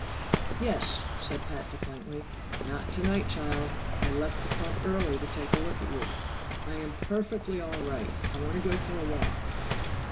"Yes," said Pat defiantly. "Not tonight, child! I left the Club early to take a look at you." "I am perfectly all right. I want to go for a walk."